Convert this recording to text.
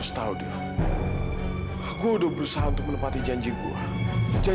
iya ini gua taufan lu masih inget kan